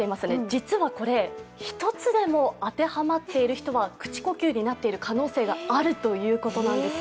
実はこれ１つでも当てはまっている人は口呼吸になっている可能性があるということなんです。